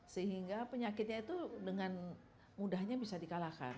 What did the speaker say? sehingga penyakitnya itu dengan mudahnya bisa dikalahkan